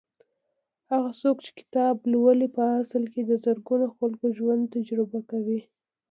هغه څوک چې کتاب لولي په اصل کې د زرګونو خلکو ژوند تجربه کوي.